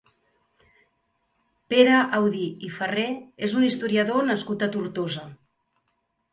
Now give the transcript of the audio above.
Pere Audí i Ferrer és un historiador nascut a Tortosa.